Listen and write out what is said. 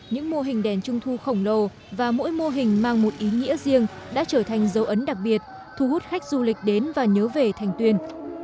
những mô hình đèn trung thu khổng lồ và mỗi mô hình mang một ý nghĩa riêng đã trở thành dấu ấn đặc biệt thu hút khách du lịch đến và nhớ về thành tuyên